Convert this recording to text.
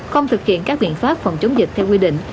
không thực hiện các biện pháp phòng chống dịch theo quy định